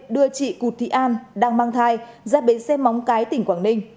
đưa chị cụt thị an đang mang thai ra bến xe móng cái tỉnh quảng ninh